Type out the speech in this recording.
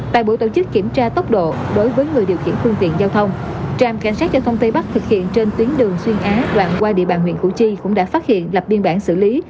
tại buổi tổ chức kiểm tra tốc độ đối với người điều khiển phương tiện giao thông trạm cảnh sát giao thông tây bắc thực hiện trên tuyến đường xuyên á đoạn qua địa bàn huyện củ chi cũng đã phát hiện lập biên bản xử lý